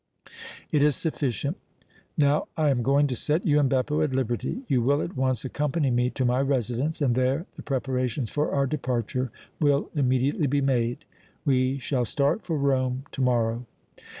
"It is sufficient. Now I am going to set you and Beppo at liberty. You will at once accompany me to my residence and there the preparations for our departure will immediately be made. We shall start for Rome to morrow."